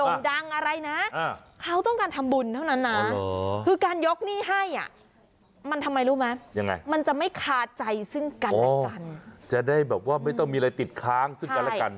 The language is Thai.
ประใจซึ่งกันและกันจะได้แบบว่าไม่ต้องมีอะไรติดค้างซึ่งกันและกัน